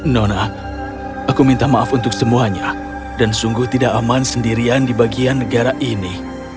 nona aku minta maaf untuk semuanya dan sungguh tidak aman sendirian di bagian negara ini